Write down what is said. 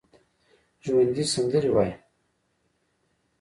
ژوندي سندرې وايي